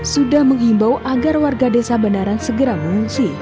sudah menghimbau agar warga desa bandaran segera mengungsi